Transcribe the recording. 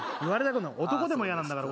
男でも嫌なんだから。